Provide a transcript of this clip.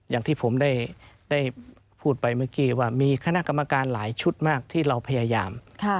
อย่างที่ผมได้พูดไปเมื่อกี้ว่ามีคณะกรรมการหลายชุดมากที่เราพยายาม